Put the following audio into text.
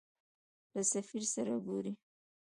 له سفیر سره ګورې.